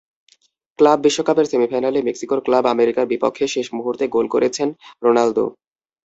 Club বিশ্বকাপের সেমিফাইনালে মেক্সিকোর ক্লাব আমেরিকার বিপক্ষে শেষ মুহূর্তে গোল করেছেন রোনালদো।